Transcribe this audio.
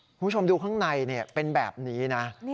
คุณผู้ชมดูข้างในเป็นแบบนี้นะ